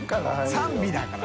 ３尾だから。